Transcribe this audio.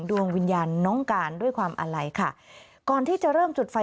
ดวงวิญญาณน้องการด้วยความอาลัยค่ะก่อนที่จะเริ่มจุดไฟ